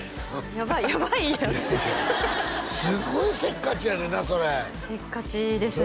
やばいやばい私すごいせっかちやねんなそれせっかちですね